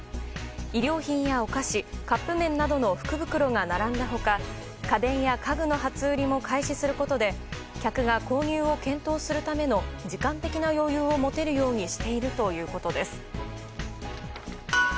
衣料品やお菓子、カップ麺などの福袋が並んだ他家電や家具の初売りも開始することで客が購入を検討するための時間的な余裕を持てるようにしているということです。